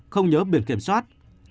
không nhớ biển quyểm soát